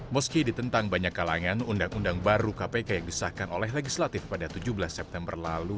meski ditentang banyak kalangan undang undang baru kpk yang disahkan oleh legislatif pada tujuh belas september lalu